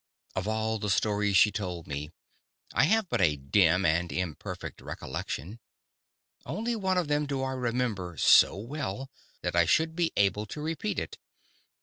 Of all the stories she told me, I have but a dim and imperfect recollection. Only one of them do I remember so well that I should be able to repeat it.